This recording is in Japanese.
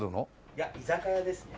いや居酒屋ですね。